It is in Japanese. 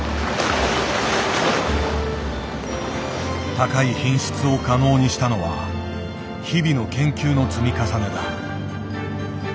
高い品質を可能にしたのは日々の研究の積み重ねだ。